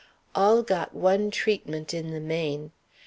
All got one treatment in the main.